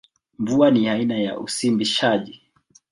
Mvua ni aina ya usimbishaji.